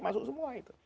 masuk semua itu